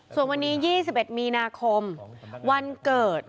ส่วนวันนี้๒๑มีนาคมวันเกิด